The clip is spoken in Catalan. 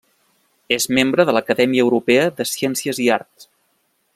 És membre de l'Acadèmia Europea de Ciències i Arts.